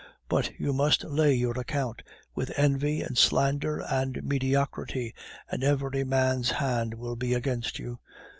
But you must lay your account with envy and slander and mediocrity, and every man's hand will be against you.